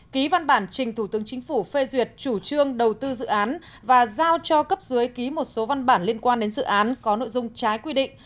ký văn bản trình thủ tướng chính phủ phê duyệt chủ trương đầu tư dự án và giao cho cấp dưới ký một số văn bản liên quan đến dự án có nội dung trái quy định